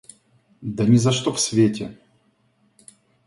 Да ни за что в свете!